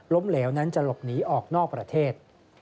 เหลวนั้นจะหลบหนีออกนอกประเทศ